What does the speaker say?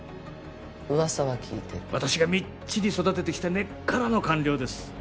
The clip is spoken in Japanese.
ウワサは聞いてる私がみっちり育ててきた根っからの官僚です